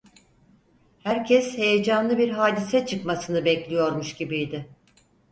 Herkes heyecanlı bir hadise çıkmasını bekliyormuş gibiydi.